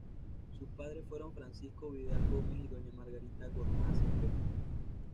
Sus padres fueron Francisco Vidal Gómez y Doña Margarita Gormaz Espejo.